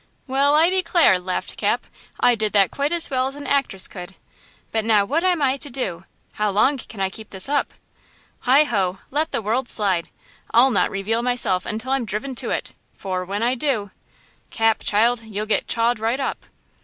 "Well, I declare," laughed Cap, "I did that quite as well as an actress could! But now what am I to do? How long can I keep this up? Heigh ho! 'let the world slide!' I'll not reveal myself until I'm driven to it, for when I do–! Cap, child, you'll get chawed right up!"